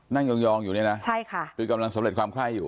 ยองอยู่เนี่ยนะใช่ค่ะคือกำลังสำเร็จความไข้อยู่